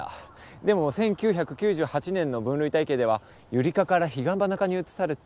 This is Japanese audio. でも１９９８年の分類体系ではユリ科からヒガンバナ科に移されて。